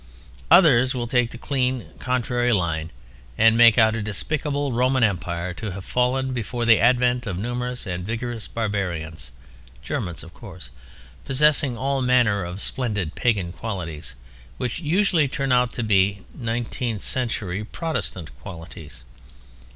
Others will take the clean contrary line and make out a despicable Roman Empire to have fallen before the advent of numerous and vigorous barbarians (Germans, of course) possessing all manner of splendid pagan qualities—which usually turn out to be nineteenth century Protestant qualities.